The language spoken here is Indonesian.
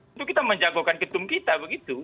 itu kita menjagokan ketum kita begitu